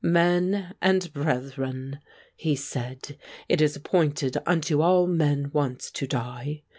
"Men and brethren," he said, "it is appointed unto all men once to die.